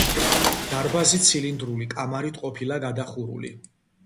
დარბაზი ცილინდრული კამარით ყოფილა გადახურული.